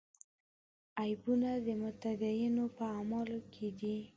عیبونه د متدینو په اعمالو کې دي.